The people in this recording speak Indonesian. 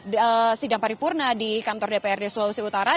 di sidang paripurna di kantor dprd sulawesi utara